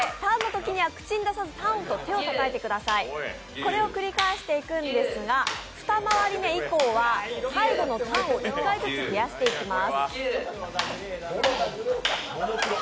これを繰り返していくんですが、２回り目以降は最後のタンを２回ずつ増やしていきます。